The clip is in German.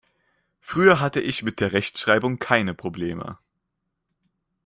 Früher hatte ich mit der Rechtschreibung keine Probleme.